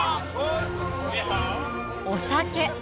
お酒。